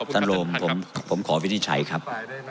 ท่านโรมผมขอวิธีใช้ครับ